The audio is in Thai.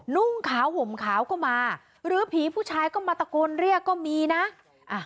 นุ่งขาวห่มขาวก็มาหรือผีผู้ชายก็มาตะโกนเรียกก็มีนะอ่ะ